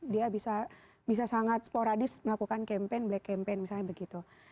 dia bisa sangat sporadis melakukan campaign black campaign misalnya begitu